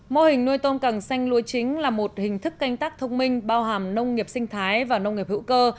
mô hình nuôi tôm càng xanh lúa chính là một hình thức canh tác thông minh bao hàm nông nghiệp sinh thái và nông nghiệp hữu cơ